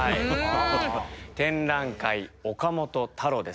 「展覧会岡本太郎」です。